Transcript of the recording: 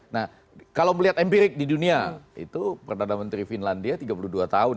nah kalau melihat empirik di dunia itu perdana menteri finlandia tiga puluh dua tahun